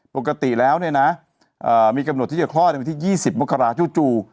ปกติแล้วเนี่ยนะมีกำหนดที่จะคลอดในวันที่๒๐มกราจู่